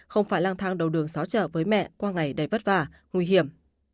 không phải lang thang đầu đường xáo trở với mẹ qua ngày đầy vất vả nguy hiểm